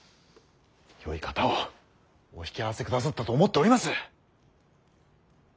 よい方をお引き合わせくださったと思っております。